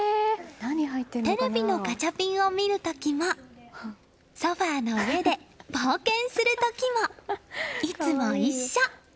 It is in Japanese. テレビのガチャピンを見る時もソファの上で冒険する時もいつも一緒。